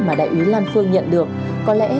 mà đại úy lan phương nhận được có lẽ